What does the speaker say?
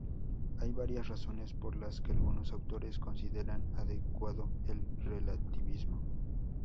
Hay varias razones por las que algunos autores consideran adecuado el relativismo.